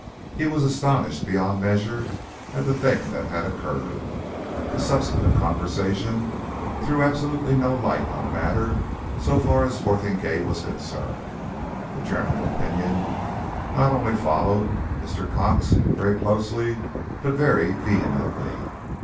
He was astonished beyond measure at the thing that had occurred. The subsequent conversation threw absolutely no light on the matter so far as Fotheringay was concerned; the general opinion not only followed Mr. Cox very closely but very vehemently.